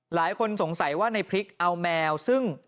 หลายคนสงสัยว่าในพริกเอาแมวซึ่ง